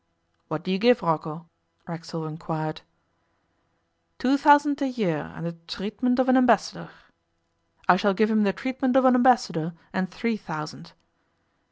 'What do you give Rocco?' Racksole inquired. 'Two thousand a year and the treatment of an Ambassador.' 'I shall give him the treatment of an Ambassador and three thousand.